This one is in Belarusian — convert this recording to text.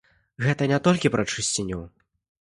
Гэта не толькі пра чысціню.